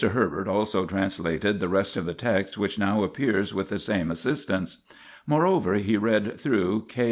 Herbert also translated the rest of the text which now appears with the same assist ance. Moreover, he read through K.